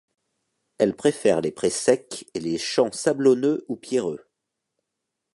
Elle préfère les prés secs et les champs sablonneux ou pierreux.